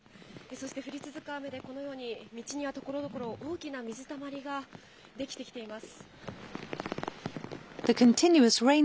そして降り続く雨で、このように、道にはところどころ、大きな水たまりが出来てきています。